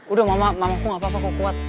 udah mama mamaku gak apa apa kok kuat